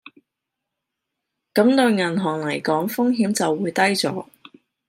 咁對銀行嚟講風險就會低左